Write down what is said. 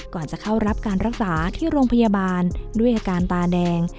ก่อนจะเข้ารับการรักษาที่โรงพยาบาลด้วยอาการตาแดง